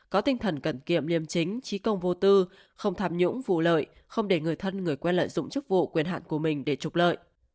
có tinh thần cần kiệm liêm chính trí công vô tư không tham nhũng vụ lợi không để người thân người quen lợi dụng chức vụ quyền hạn của mình để trục lợi